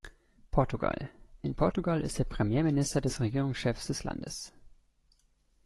Portugal: In Portugal ist der Premierminister der Regierungschef des Landes.